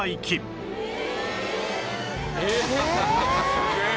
すげえ！